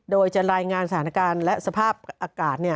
โดยจะรายงานสถานการณ์และสภาพอากาศ